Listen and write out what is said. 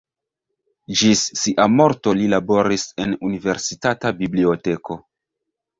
Ĝis sia morto li laboris en Universitata Biblioteko.